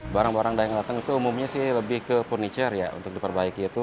barang barang yang datang itu umumnya sih lebih ke furniture ya untuk diperbaiki itu